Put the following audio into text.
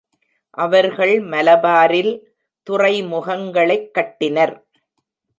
அவர்கள் மலபாரில் துறைமுகங்களைக் கட்டினர்.